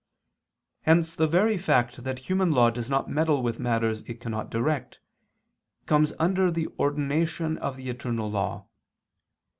Hence the very fact that human law does not meddle with matters it cannot direct, comes under the ordination of the eternal law.